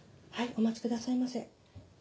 お待ちくださいませ。